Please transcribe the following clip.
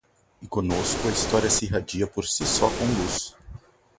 E conosco a história se irradia por si só com luz